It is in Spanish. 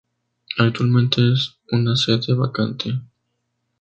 Actualmente es una sede vacante.